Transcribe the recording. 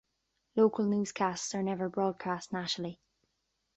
Local newscasts are never broadcast nationally.